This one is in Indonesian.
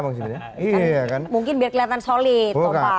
mungkin biar kelihatan solid